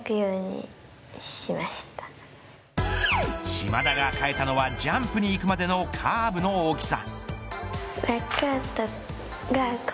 島田が変えたのはジャンプに行くまでのカーブの大きさ。